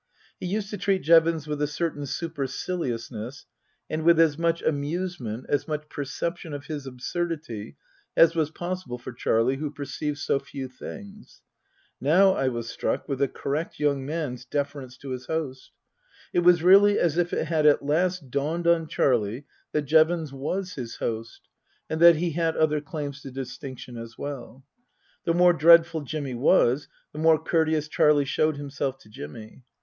He used to treat Jevons with a certain superciliousness, and with as much amusement, as much perception of his absurdity, as was possible for Charlie, who perceived so few things. Now I was struck with the correct young man's deference to his host. It was really as if it had at last dawned on Charlie that Jevons was his host, and that he had other claims to distinction as well. The more dreadful Jimmy was, the more courteous Charlie showed himself to Jimmy.